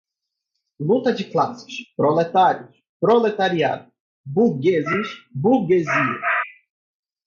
Luta de classes, proletários, proletariado, burgueses, burguesia